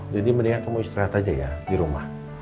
mendingan kamu istirahat aja ya di rumah